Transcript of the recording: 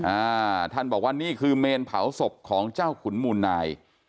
อ่าท่านบอกว่านี่คือเมนเผาศพของเจ้าขุนมูลนาย